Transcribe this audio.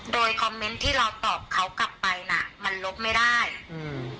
โดยคอมเมนต์ที่เราตอบเขากลับไปน่ะมันลบไม่ได้อืม